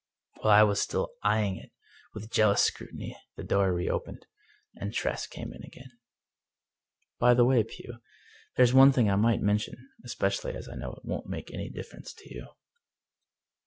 While I was still eying it with jealous scrutiny the door reopened, and Tress came in again. " By the way, Pugh, there is one thing I might mention, especially as I know it won't make any difference to you."